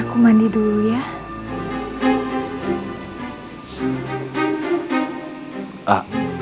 aku mandi dulu ya